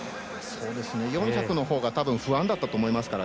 ４００のほうが不安だったと思います。